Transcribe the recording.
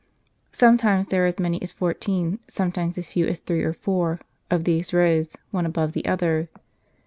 Sometimes there are as many as fourteen, sometimes as few as three or four, of these rows, one above the other.